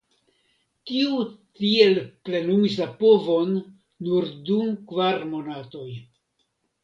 Tiu tiel plenumis la povon nur dum kvar monatoj.